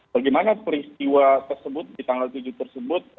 bagaimana peristiwa tersebut di tanggal tujuh tersebut